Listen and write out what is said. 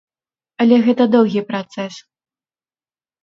Але гэта доўгі працэс.